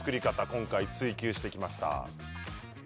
今回追求してきました。